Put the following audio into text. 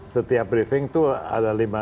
setiap briefing itu ada